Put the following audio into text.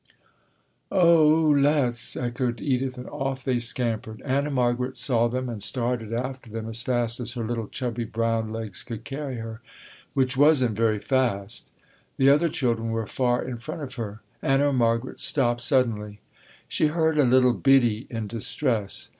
"Oh oo, let's," echoed Edith, and off they scampered. Anna Margaret saw them and started after them as fast as her little chubby brown legs could carry her, which wasn't very fast. The other children were far in front of her. Anna Margaret stopped suddenly, she heard a little biddie in distress.